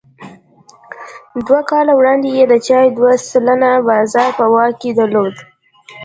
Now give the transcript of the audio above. دوه کاله وړاندې یې د چای دوه سلنه بازار په واک کې درلود.